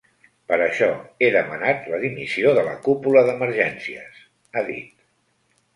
Per això he demanat la dimissió de la cúpula d’emergències, ha dit.